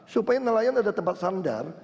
supaya nelayan ada tempat sandar